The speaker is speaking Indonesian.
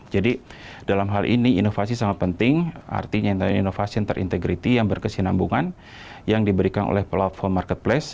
jadi dalam hal ini inovasi sangat penting artinya inovasi interintegrity yang berkesinambungan yang diberikan oleh platform marketplace